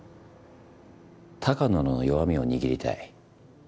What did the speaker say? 鷹野の弱みを握りたい。